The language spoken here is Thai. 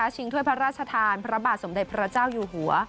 ถ้วยพระราชทานพระบาทสมเด็จพระเจ้าอยู่หัว